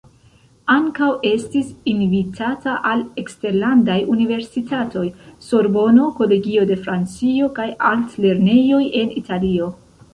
Ankaŭ estis invitata al eksterlandaj universitatoj: Sorbono, Kolegio de Francio kaj altlernejoj en Italio.